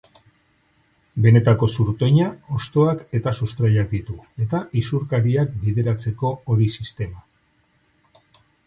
Benetako zurtoina, hostoak eta sustraiak ditu, eta isurkariak bideratzeko hodi-sistema.